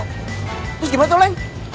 terus gimana tuh leng